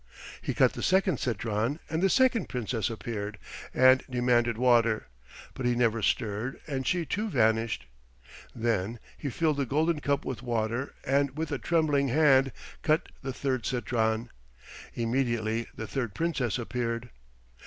He cut the second citron, and the second Princess appeared and demanded water, but he never stirred, and she too vanished. Then he filled the golden cup with water and with a trembling hand cut the third citron. Immediately the third Princess appeared.